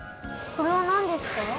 これはなんですか？